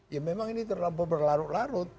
ya memang ini terlampau berlarut larut